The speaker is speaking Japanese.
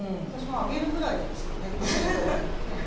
私も揚げるぐらいしかね。